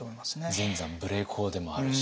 全山無礼講でもあるし。